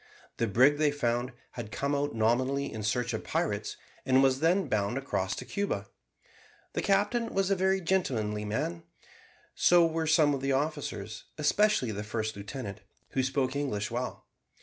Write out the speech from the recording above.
The brig, they found, had come out nominally in search of pirates, and was then bound across to Cuba. The captain was a very gentlemanly man; so were some of the officers, especially the first lieutenant, who spoke English well.